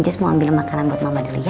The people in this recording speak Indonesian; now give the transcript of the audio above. cus mau ambilin makanan buat mama dulu ya